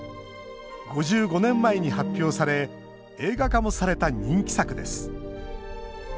５５年前に発表され映画化もされた人気作です。